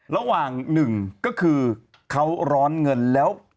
ระหว่างหนึ่งก็คือเขาร้อนเงินแล้ว